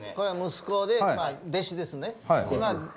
息子で弟子ですね。